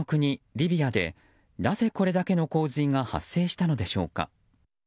リビアでなぜこれだけの洪水が発生したのでしょうか。